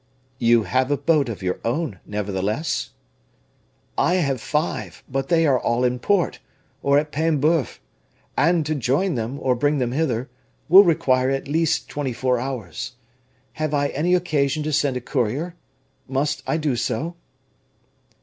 "You have a boat of your own, nevertheless?" "I have five; but they are all in port, or at Paimboeuf; and to join them, or bring them hither, would require at least twenty four hours. Have I any occasion to send a courier? Must I do so?"